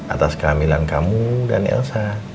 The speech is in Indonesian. atas kehamilan kamu dan elsa